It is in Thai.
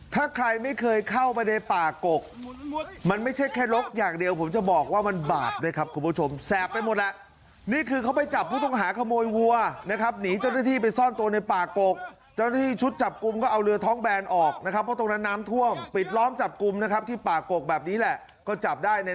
ถ้าใครไม่เคยเข้าไปในป่ากกมันไม่ใช่แค่ลกอย่างเดียวผมจะบอกว่ามันบาปด้วยครับคุณผู้ชมแสบไปหมดแหละนี่คือเขาไปจับผู้ต้องหาขโมยวัวนะครับหนีเจ้าหน้าที่ไปซ่อนตัวในป่ากกเจ้าหน้าที่ชุดจับกลุ่มก็เอาเรือท้องแบนออกนะครับเพราะตรงนั้นน้ำท่วมปิดล้อมจับกลุ่มนะครับที่ป่ากกแบบนี้แหละก็จับได้ใน